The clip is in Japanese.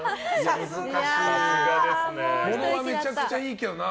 物はめちゃくちゃいいけどな。